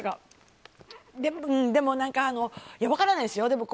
でも、分からないですよ。